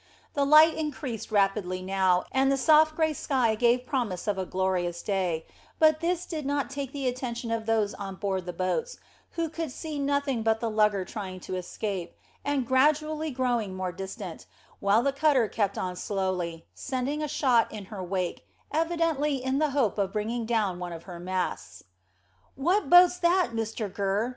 The light increased rapidly now, and the soft grey sky gave promise of a glorious day, but this did not take the attention of those on board the boats, who could see nothing but the lugger trying to escape, and gradually growing more distant, while the cutter kept on slowly, sending a shot in her wake, evidently in the hope of bringing down one of her masts. "What boat's that, Mr Gurr?"